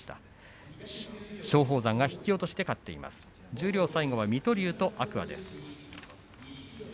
十両最後は水戸龍と天空海です。